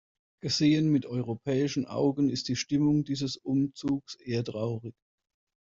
Gesehen mit europäischen Augen ist die Stimmung dieses Umzugs eher traurig.